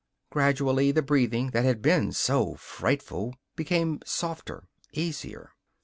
Gradually the breathing that had been so frightful became softer, easier.